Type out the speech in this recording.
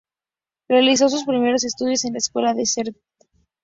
Realizó sus primeros estudios en la escuela de St.